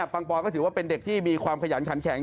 ปอนก็ถือว่าเป็นเด็กที่มีความขยันขันแข็ง